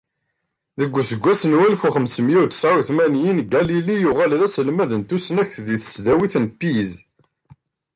Deg useggas n walef u xemsemya u tesεa u tmantin, Galili yuɣal d aselmad n tussnakt di tesdawit n Pise.